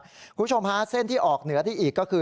คุณผู้ชมฮะเส้นที่ออกเหนือได้อีกก็คือ